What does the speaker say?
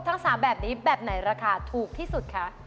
ทั้ง๓แบบนี้แบบไหนราคาถูกที่สุดคะ